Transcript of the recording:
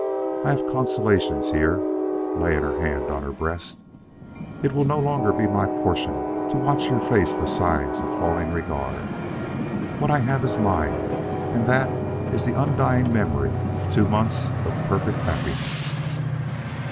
I have consolations here," laying her hand on her breast. "It will no longer be my portion to watch your face for signs of a failing regard. What I have is mine, and that is the undying memory of two months of perfect happiness."